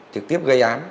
trực tiếp gây án